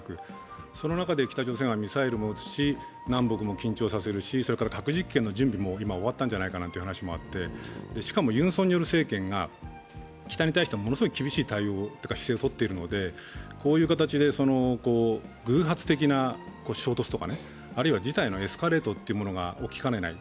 その中で北朝鮮がミサイルも撃つし、南北も緊張させるし、それから核実験の準備も今、終わったんじゃないかという情報もあってしかもユン・ソンニョル政権が北に対して厳しい対応をとっているのでこういう形で偶発的な衝突とか、あるいは事態のエスカレートが起きかねない。